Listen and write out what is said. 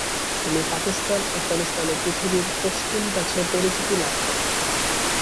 তিনি পাকিস্তান, আফগানিস্তান ও পৃথিবীর পশতুন কাছে পরিচিতি লাভ করেন।